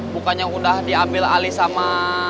bukannya udah diambil alih sama